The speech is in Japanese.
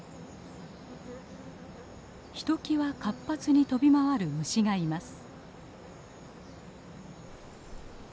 ひときわ活発に飛び回る虫がいます。